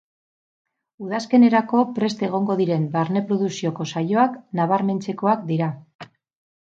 Udazkenerako prest egongo diren barne produkzioko saioak nabarmentzekoak dira.